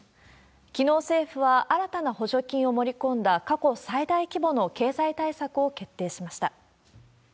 きのう、政府は新たな補助金を盛り込んだ、過去最大規模の経済対策を決定しました。